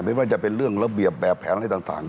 ไม่ว่าจะเป็นเรื่องระเบียบแบบแผนอะไรต่าง